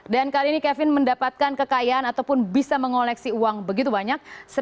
dan kali ini kevin mendapatkan kekayaan ataupun bisa mengoleksi uang begitu banyak